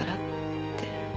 って。